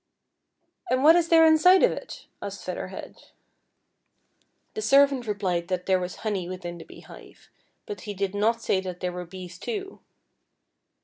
'* And what is there inside of it }" aslved I'cather Head. The servant reph'ed tliat there was honey within the beehive, but he did not say that there were bees too.